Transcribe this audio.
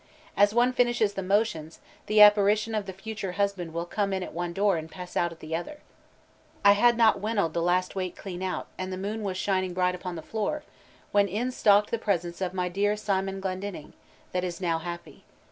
As one finishes the motions, the apparition of the future husband will come in at one door and pass out at the other. "'I had not winnowed the last weight clean out, and the moon was shining bright upon the floor, when in stalked the presence of my dear Simon Glendinning, that is now happy.